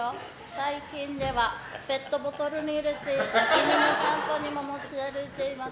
最近では、ペットボトルに入れて犬の散歩にも持ち歩いています。